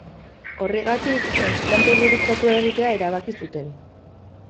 Horregatik, transplante gurutzatua egitea erabaki zuten.